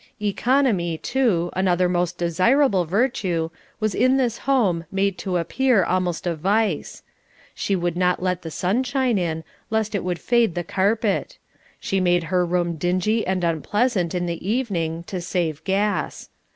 Economy, too, another most desirable virtue, was in this home made to appear almost a vice. She would not let the sunshine in, lest it would fade the carpet. She made her room dingy and unpleasant in the evening, to save gas.